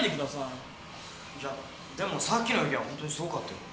いやでもさっきの泳ぎはホントにすごかったよな。